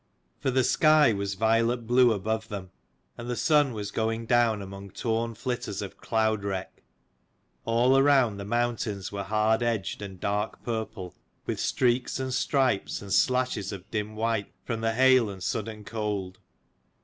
For the sky was violet blue above them, and the sun was going down among torn flitters of cloud wreck. All around, the mountains were hard edged and dark purple, with streaks and stripes and slashes of dim white from the hail and sudden cold.